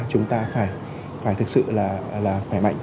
chúng ta phải thực sự là khỏe mạnh